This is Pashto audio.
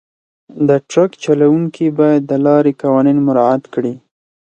د ټرک چلونکي باید د لارې قوانین مراعات کړي.